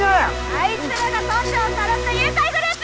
あいつらが村長をさらった誘拐グループです！